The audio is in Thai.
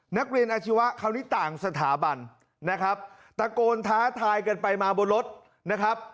นักเรียนอาชีวะคราวนี้ต่างสถาบันนะครับตะโกนท้าทายกันไปมาบนรถนะครับ